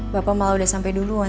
bapak malah udah sampai duluan